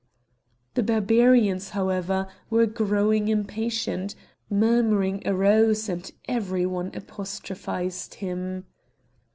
The Barbarians, however, were growing impatient; murmuring arose, and every one apostrophized him.